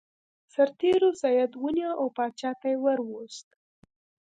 سرتیرو سید ونیو او پاچا ته یې ور وست.